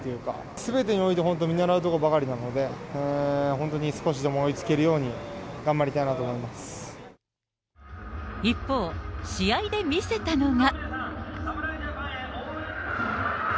すべてにおいて本当、見習うところばかりなので、本当に少しでも追いつけるように、頑一方、試合で見せたのが。